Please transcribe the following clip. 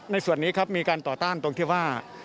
ในส่วนนี้ครับมีการต่อต้านตรงที่ว่า